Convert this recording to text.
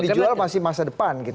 jadi yang dijual masih masa depan gitu